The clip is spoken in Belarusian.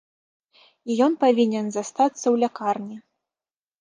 І ён павінен заставацца ў лякарні.